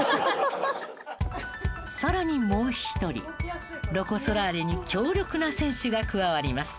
更にもう１人ロコ・ソラーレに強力な選手が加わります。